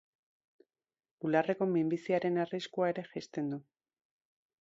Bularreko minbiziaren arriskua ere jaisten du.